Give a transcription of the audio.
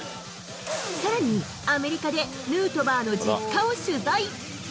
さらにアメリカで、ヌートバーの実家を取材。